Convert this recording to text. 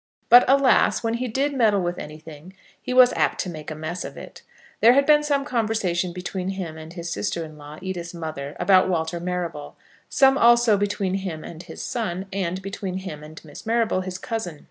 But, alas, when he did meddle with anything he was apt to make a mess of it. There had been some conversation between him and his sister in law, Edith's mother, about Walter Marrable; some also between him and his son, and between him and Miss Marrable, his cousin.